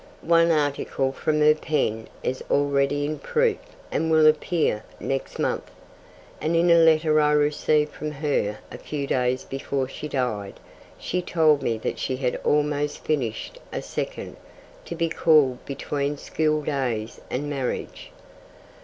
One article from her pen is already in proof and will appear next month, and in a letter I received from her, a few days before she died, she told me that she had almost finished a second, to be called Between Schooldays and Marriage.